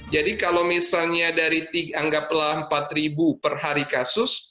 kalau misalnya dari anggaplah empat ribu per hari kasus